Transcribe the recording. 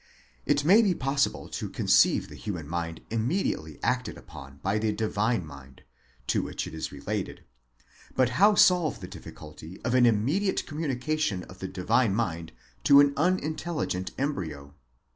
It may be possible to conceive the human mind immediately acted upon by the divine mind, to which it is related, but how solve the difficulty of an immediate communica tion of the divine mind to an unintelligent embryo?